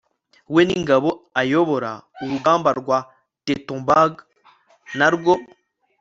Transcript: we n'ingabo ayobora.. urugamba rwa teutoburg narwo